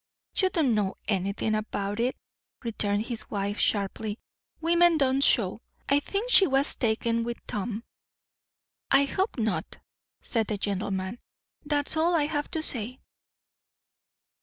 "You don't know anything about it," returned his wife sharply. "Women don't show. I think she was taken with Tom." "I hope not!" said the gentleman; "that's all I have to say."